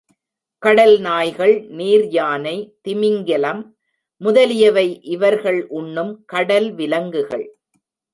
கடல் நாய்கள், நீர் யானை, திமிங்கிலம் முதலியவை இவர்கள் உண்ணும் கடல் விலங்குகள்.